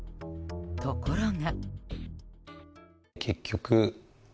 ところが。